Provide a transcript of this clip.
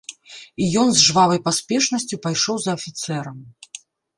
І ён з жвавай паспешнасцю пайшоў за афіцэрам.